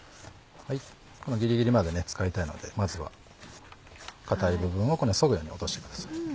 このギリギリまで使いたいのでまずは硬い部分をそぐように落としてください。